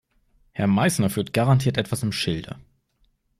Herr Meißner führt garantiert etwas im Schilde.